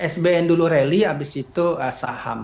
sbn dulu rally habis itu saham